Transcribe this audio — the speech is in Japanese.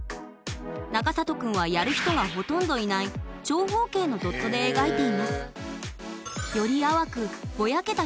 中里くんはやる人がほとんどいない長方形のドットで描いています